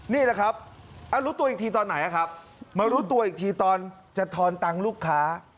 นี่แหละครับรู้ตัวอีกทีตอนไหนครับมารู้ตัวอีกทีตอนจะทอนตังค์ลูกค้า